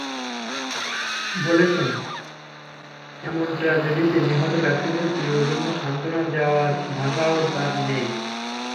বলেছেন, এমন ট্র্যাজেডিতে নিহত ব্যক্তিদের প্রিয়জনদের সান্ত্বনা দেওয়ার ভাষাও তাঁর নেই।